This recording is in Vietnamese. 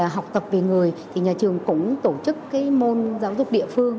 học tập về người thì nhà trường cũng tổ chức môn giáo dục địa phương